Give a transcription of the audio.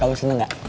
kamu seneng gak